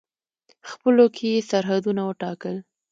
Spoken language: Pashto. خپلو کې یې سرحدونه وټاکل.